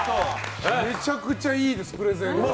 めちゃくちゃいいですプレゼンが。